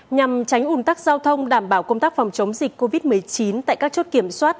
nhằm tránh ủn tắc giao thông đảm bảo công tác phòng chống dịch covid một mươi chín tại các chốt kiểm soát